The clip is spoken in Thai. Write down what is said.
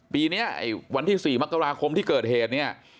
ปีนี้วันที่๔มกราคมที่เกิดเหตุเนี่ย